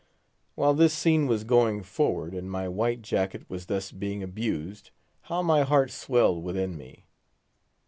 While this scene was going forward, and my white jacket was thus being abused, how my heart swelled within me!